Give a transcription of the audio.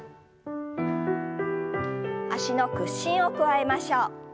脚の屈伸を加えましょう。